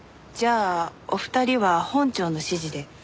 じゃあお二人は本庁の指示で？